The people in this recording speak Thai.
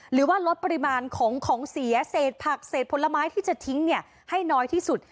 หรือว่าลดปริมาณของเสียเศษผักเศษผลไม้ที่จะทิ้งให้น้อยที่สุด